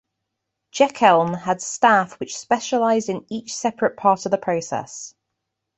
Jeckeln had staff which specialised in each separate part of the process.